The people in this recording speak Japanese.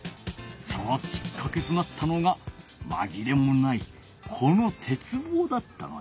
そのきっかけとなったのがまぎれもないこの鉄棒だったのじゃ。